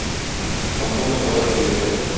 Коммуна барыбер яшәде.